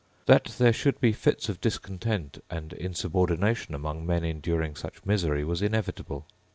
That there should be fits of discontent and insubordination among men enduring such misery was inevitable.